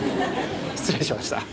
失礼しました。